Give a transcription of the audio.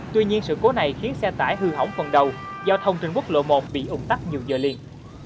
tuy nhiên sự cố này khiến xe tải hư hỏng phần đầu giao thông trên quốc lộ một bị ủng tắc nhiều giờ liền